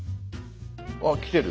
あっ来てる。